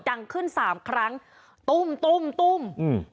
ดังขึ้นสามครั้งตุ้มตุ้มตุ้มอืม